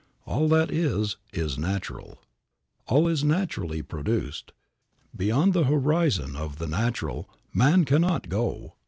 All that is is natural. All is naturally produced. Beyond the horizon of the natural man cannot go.